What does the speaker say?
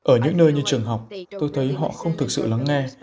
ở những nơi như trường học tôi thấy họ không thực sự lắng nghe